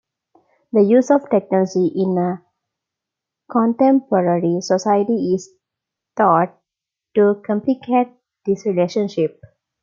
The use of technology in a contemporary society is thought to complicate this relationship.